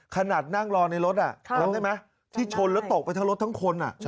ขนาดนั่งรอในรถน่ะที่ชนแล้วตกไปทั้งรถทั้งคน